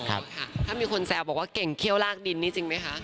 อ่าวค่ะถ้ามีคนแทร่บอกว่าเก่งเขี้ยวลากดินนี่จริงมั้ยคะ